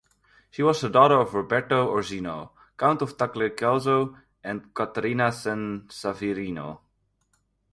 She was a daughter of Roberto Orsini, Count of Tagliacozzo and Caterina Sanseverino.